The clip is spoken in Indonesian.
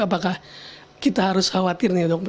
apakah kita harus khawatir nih dok